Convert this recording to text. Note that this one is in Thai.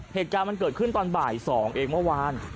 เหตุการณ์มันเกิดขึ้นตอนบ่าย๒เองเมื่อวาน